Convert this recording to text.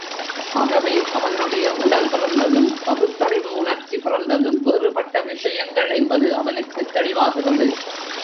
ஆகவே, அவனுடைய உடல் பிறந்ததும், பகுத்தறிவு உணர்ச்சி பிறந்ததும் வேறுபட்ட விஷயங்கள் என்பது அவனுக்குத் தெளிவாகிறது.